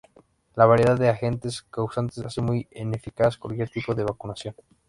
La variedad de agentes causantes hace muy ineficaz cualquier tipo de vacunación.